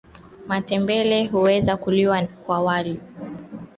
Matembele huweza kuliwa kwa wali